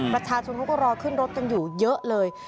ประชาชนเขาก็รอขึ้นรถกันอยู่เยอะเลย